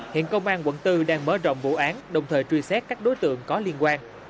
hiện công an quận bốn đang mở rộng vụ án đồng thời truy xét các đối tượng có liên quan